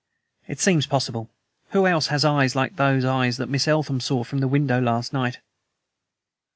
"It seems possible. Who else has eyes like the eyes Miss Eltham saw from the window last night?"